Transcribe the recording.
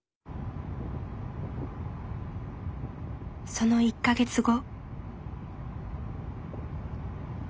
その１か月後。